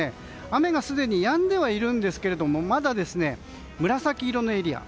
雨がすでにやんではいるんですけれどもまだ紫色のエリア